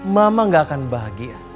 mama gak akan bahagia